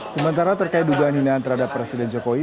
sementara terkait dugaan hinaan terhadap presiden jokowi